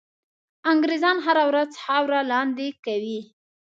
انګرېزان هره ورځ خاوره لاندي کوي.